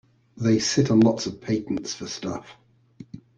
They sit on lots of patents for stuff.